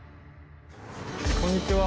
こんにちは。